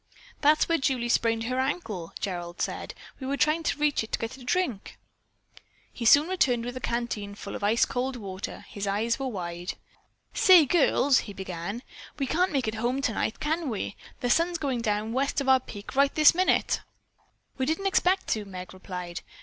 "That's where Julie sprained her ankle," Gerald said. "We were trying to reach it to get a drink." He soon returned with the canteen full of ice cold water. His eyes were wide. "Say, girls," he began, "we can't make it home tonight, can we? The sun's going down west of our peak right this minute." "We didn't expect to," Meg replied.